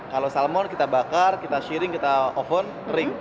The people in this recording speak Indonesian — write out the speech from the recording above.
kalau salmon kita bakar kita sharing kita oven kering